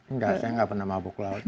enggak saya nggak pernah mabuk laut